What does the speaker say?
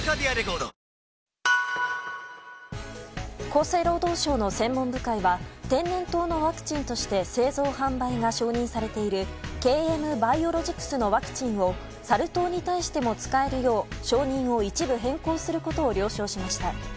厚生労働省の専門部会は天然痘のワクチンとして製造・販売が承認されているＫＭバイオロジクスのワクチンをサル痘に対しても使えるよう承認を一部変更することを了承しました。